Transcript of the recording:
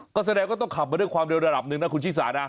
ก็แสดงว่าต้องขับมาด้วยความเร็วระดับหนึ่งนะคุณชิสานะ